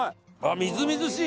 みずみずしい！